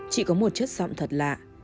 chỉ có một chất giọng thật lạ